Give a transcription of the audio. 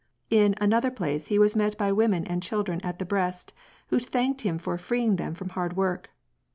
In another place he was met by women with children at the breast, who thanked him for freeing them from hard work.